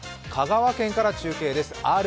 香川県から中継です。